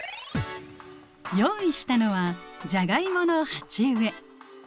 用意したのはジャガイモの鉢植え。